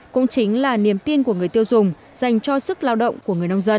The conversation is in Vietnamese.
cũng chính là niềm tin của người tiêu dùng dành cho sức lao động của người nông dân